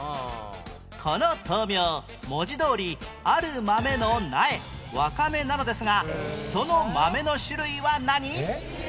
この豆苗文字どおりある豆の苗若芽なのですがその豆の種類は何？